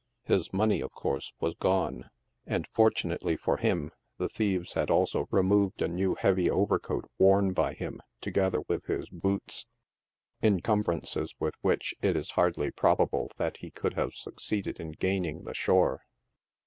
His money, of course, was gone, and, fortu nately for him, the thieves had also removed a new, heavy overcoat worn by him, together with his boots — encumbrances with which, 110 NIGHT SIDE OF NEW YORK. it is hardly probable, that he could have succeeded in gaining the shore.